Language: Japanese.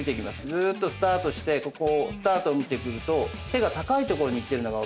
ずーっとスタートしてここスタートを見てくると手が高い所にいってるのが分かりますよね。